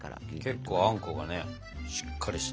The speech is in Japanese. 結構あんこがしっかりした。